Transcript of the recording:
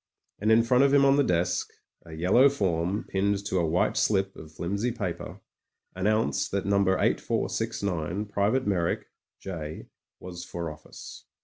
And in front of him on the desk, a yellow form pinned to a white slip of flimsy paper, announced that No. 8469, Private Meyrick, J., was for office.